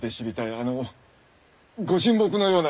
あの「御神木」のような。